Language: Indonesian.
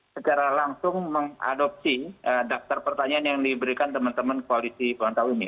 secara langsung mengadopsi daftar pertanyaan yang diberikan teman teman koalisi perantau ini